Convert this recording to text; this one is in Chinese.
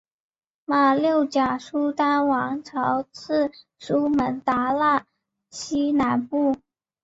马六甲苏丹王朝至苏门答腊西南部。